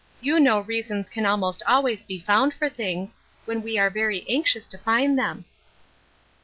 You know reasons can almost always be found for things, when we are very anxious to find them!"